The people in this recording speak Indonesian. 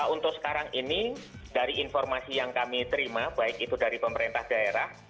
untuk sekarang ini dari informasi yang kami terima baik itu dari pemerintah daerah